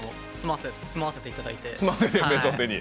住まわせていただいて。